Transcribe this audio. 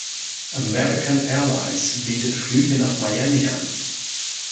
American Airlines bietet Flüge nach Miami an.